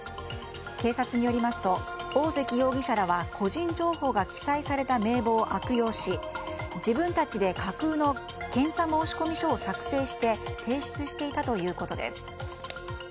警察によりますと大関容疑者らは個人情報が記載された名簿を悪用し自分たちで架空の検査申込書を作成して提出していたということです。